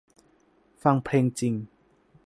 ฟังเพลงจริง